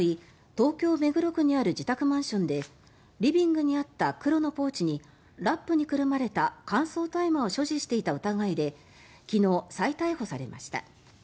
東京・目黒区にある自宅マンションでリビングにあった黒のポーチにラップにくるまれた乾燥大麻を所持していた疑いで昨日、再逮捕されました。